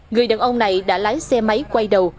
người đàn ông này đã lái xe máy quay đầu